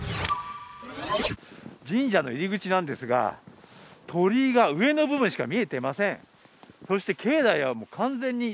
神社の入り口なんですが、鳥居が上の部分しか見えていません。